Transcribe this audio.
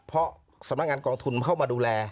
เพราะสำนักงานกองทุนเข้ามาดูแล